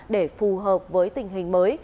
để phù hợp với tình hình mới